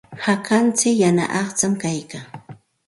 Hakantsik yana aqcham kaykan.